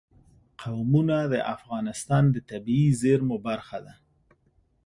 قومونه د افغانستان د طبیعي زیرمو برخه ده.